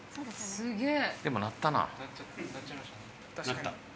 すげえ！